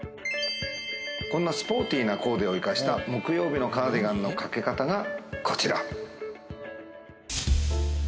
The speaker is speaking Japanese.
こんなスポーティーなコーデを生かした木曜日のカーディガンのかけ方がこちら。